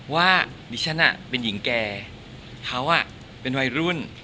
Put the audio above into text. ว่าดิฉันเป็นหญิงแก่เขาเป็นวัยรุ่น